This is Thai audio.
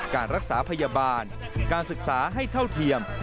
การรักษาพยาบาลการศึกษาให้เท่าเทียม